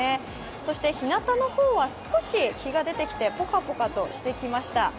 そして日向の方は少し日が出てきてぽかぽかとしてきました。